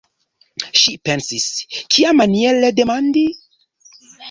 Ŝi pensis: kiamaniere demandi?